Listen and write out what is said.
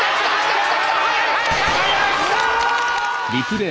きた！